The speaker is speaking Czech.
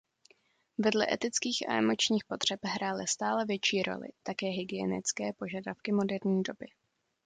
Vedle etických a emoční potřeb hrály stále větší roli také hygienické požadavky moderní doby.